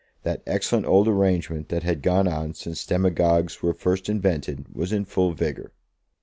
That excellent old arrangement that had gone on since demagogues were first invented was in full vigour.